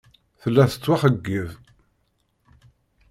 Tella tettwaxeyyeb.